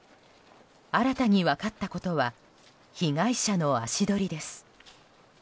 新たに分かったことは被害者の足取りです。